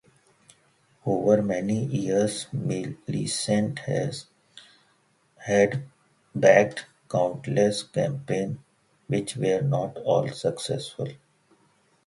Over many years, Millicent had backed countless campaigns; which were not all successful.